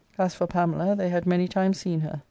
As for Pamela, they had many times seen her.